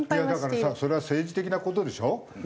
だからそれは政治的な事でしょ。